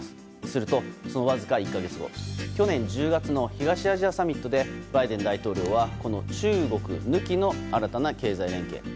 すると、そのわずか１か月後去年１０月の東アジアサミットでバイデン大統領は中国抜きの新たな経済連携